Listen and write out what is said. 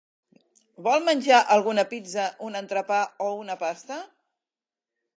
Vol menjar alguna pizza, un entrepà o una pasta?